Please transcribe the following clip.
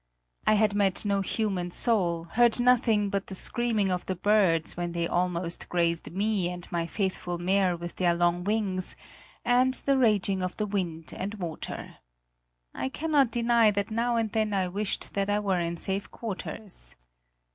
I had met no human soul, heard nothing but the screaming of the birds when they almost grazed me and my faithful mare with their long wings, and the raging of the wind and water. I cannot deny that now and then I wished that I were in safe quarters.